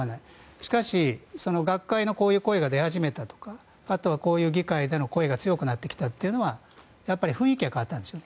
しかし、その学会のこういう声が出始めたとかあとはこういう議会での声が強くなってきたというのは雰囲気が変わったんですよね。